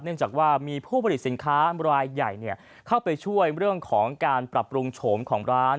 จากว่ามีผู้ผลิตสินค้ารายใหญ่เข้าไปช่วยเรื่องของการปรับปรุงโฉมของร้าน